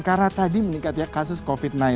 karena tadi meningkatnya kasus covid sembilan belas